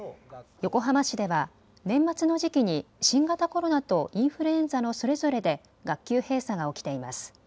横浜市では年末の時期に新型コロナとインフルエンザのそれぞれで学級閉鎖が起きています。